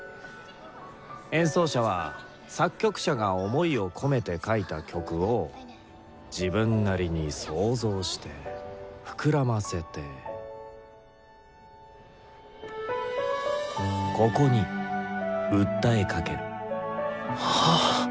演奏者は作曲者が想いを込めて書いた「曲」を自分なりに想像して膨らませて「ここ」に訴えかける。